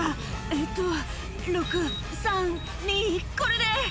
「えっと６３２これで」